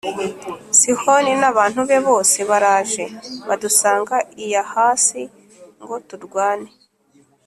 sihoni n’abantu be bose baraje badusanga i yahasi+ ngo turwane,